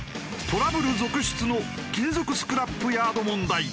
トラブル続出の金属スクラップヤード問題